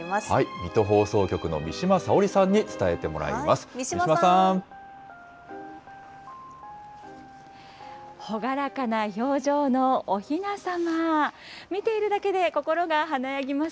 水戸放送局の三島早織さんに伝えてもらいます。